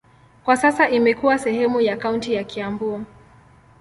Kwa sasa imekuwa sehemu ya kaunti ya Kiambu.